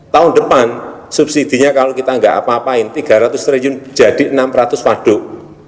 tahun depan subsidinya kalau kita nggak apa apain tiga ratus triliun jadi enam ratus waduk